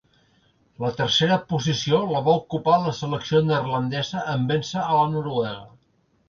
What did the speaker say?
La tercera posició la va ocupar la selecció neerlandesa en véncer a la noruega.